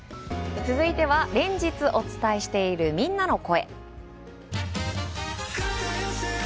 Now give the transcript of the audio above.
連日お伝えしているみんなの声。